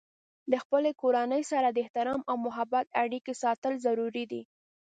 د خپلې کورنۍ سره د احترام او محبت اړیکې ساتل ضروري دي.